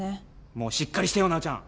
もうしっかりしてよ直ちゃん。